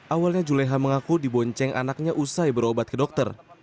awalnya juleha mengaku dibonceng anaknya usai berobat ke dokter